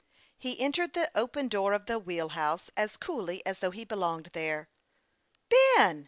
He entered the open door of the wheel house as coolly as though he belonged there. " Ben